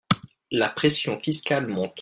La pression fiscale monte.